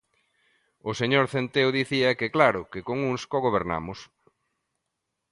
O señor Centeo dicía que, claro, que con uns cogobernamos.